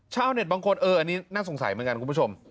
ชาวเน็ตบางคนเอออันนี้น่าสงสัยเหมือนกันคุณผู้ชม